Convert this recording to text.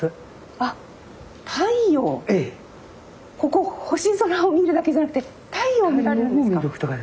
ここ星空を見るだけじゃなくて太陽も見られるんですか？